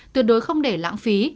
tuyệt đối không để lãng phí